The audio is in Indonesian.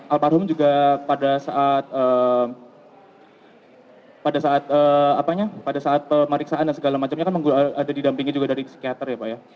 almarhum juga pada saat pemeriksaan dan segala macamnya kan ada didampingi juga dari psikiater ya pak ya